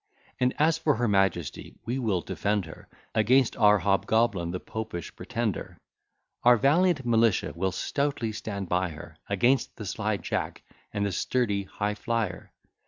And as for her Majesty, we will defend her Against our hobgoblin, the Popish Pretender. Our valiant militia will stoutly stand by her, Against the sly Jack, and the sturdy High flier.